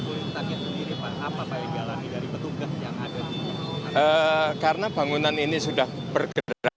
untuk tingkah kesulitan yang sendiri pak apa yang dialami dari petugas yang ada di gedung